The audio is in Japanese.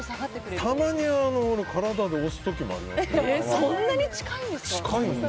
たまに体で押す時もありますね。